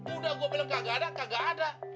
udah gue bilang kagak ada kaga ada